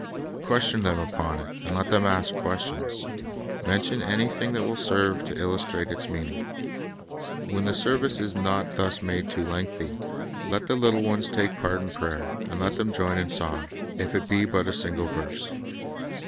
Question them upon it, and let them ask questions. Mention anything that will serve to illustrate its meaning. When the service is not thus made too lengthy, let the little ones take part in prayer, and let them join in song, if it be but a single verse.